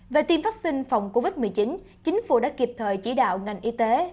về tiêm vaccine phòng covid một mươi chín chính phủ đã kịp thời chỉ đạo ngành y tế